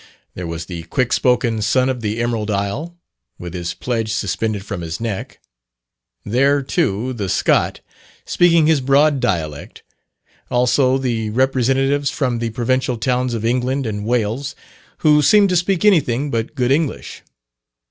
There was the quick spoken son of the Emerald Isle, with his pledge suspended from his neck; there, too, the Scot, speaking his broad dialect; also the representatives from the provincial towns of England and Wales, who seemed to speak anything but good English.